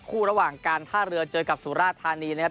ระหว่างการท่าเรือเจอกับสุราธานีนะครับ